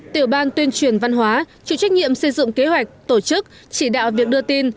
tiểu ban tuyên truyền văn hóa chủ trách nhiệm xây dựng kế hoạch tổ chức chỉ đạo việc đưa tin